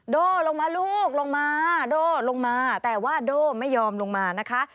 โด่ลงมาลูกลงมาโด่ลงมาแต่ว่าโด่ไม่ยอมลงมานะคะ